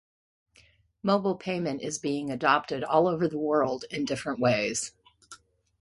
Mobile payment is being adopted all over the world in different ways.